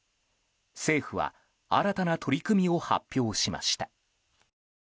政府は新たな取り組みを発表しました。